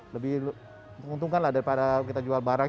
lebih menguntungkan lah daripada kita jual barang